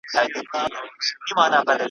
زه به بیا راځمه `